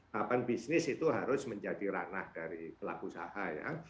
tahapan bisnis itu harus menjadi ranah dari pelaku usaha ya